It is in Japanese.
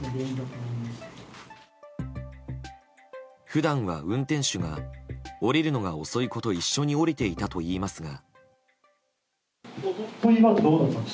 普段は運転手が降りるのが遅い子と一緒に降りていたといいますが。